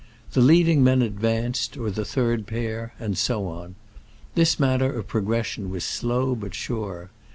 The leading men advanced, or the third pair, and so on. This manner of progression was slow but sure.